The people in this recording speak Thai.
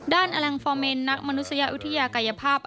อลังฟอร์เมนนักมนุษยวิทยากายภาพ